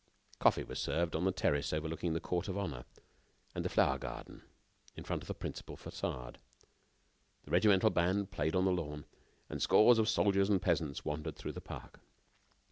Coffee was served on the terrace overlooking the court of honor and the flower garden in front of the principal façade. The regimental band played on the lawn, and scores of soldiers and peasants wandered through the park.